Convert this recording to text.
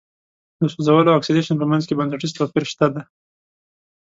د سوځولو او اکسیدیشن په منځ کې بنسټیز توپیر شته دی.